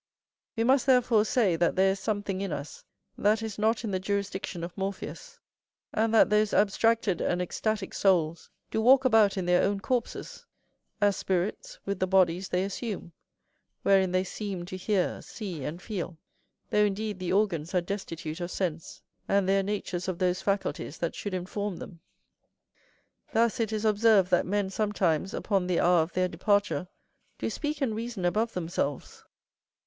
We must therefore say that there is something in us that is not in the jurisdiction of Morpheus; and that those abstracted and ecstatick souls do walk about in their own corpses, as spirits with the bodies they assume, wherein they seem to hear, see, and feel, though indeed the organs are destitute of sense, and their natures of those faculties that should inform them. Thus it is observed, that men sometimes, upon the hour of their departure, do speak and reason above themselves.